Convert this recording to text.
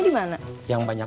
tem petroleum banyak